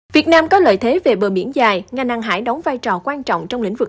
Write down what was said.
việt nam có lợi thế về bờ biển dài ngành hàng hải đóng vai trò quan trọng trong lĩnh vực